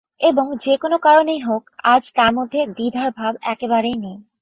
এবং যে-কোনো কারণেই হোক, আজ তার মধ্যে দ্বিধার ভাব একেবারেই নেই।